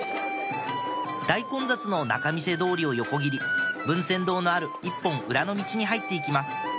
大混雑の仲見世通りを横切り文扇堂のある一本裏の道に入っていきます